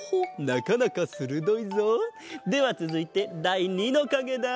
なかなかするどいぞ！ではつづいてだい２のかげだ。